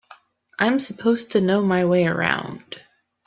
I'm supposed to know my way around.